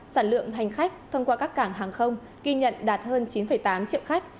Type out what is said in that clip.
sản lượng hành khách thông qua các cảng hàng không ghi nhận đạt hơn chín tám triệu khách